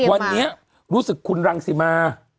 วันนี้รู้สึกคุณรังสิมา